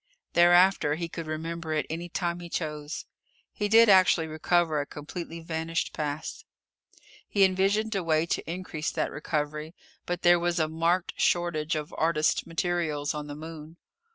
Thereafter he could remember it any time he chose. He did actually recover a completely vanished past. He envisioned a way to increase that recovery. But there was a marked shortage of artists' materials on the Moon.